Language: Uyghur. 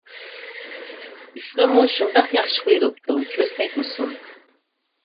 ئىسمىمۇ شۇنداق ياخشى قويۇلۇپتۇ، كۆز تەگمىسۇن!